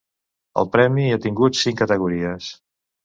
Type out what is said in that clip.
El Premi ha tingut cinc categories.